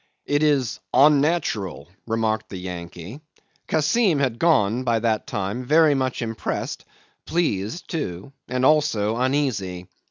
It is "onnatural," remarked the Yankee. Kassim had gone, by that time, very much impressed, pleased too, and also uneasy.